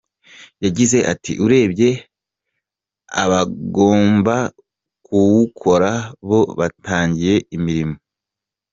Yagize ati “urebye abagomba kuwukora bo batangiye imirimo.